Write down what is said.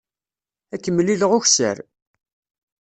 Ad k-mlileɣ ukessar.